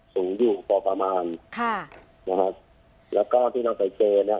ถึงอยู่ต่อประมาณค่ะนะฮะแล้วก็ที่เราใส่เจนเนี้ย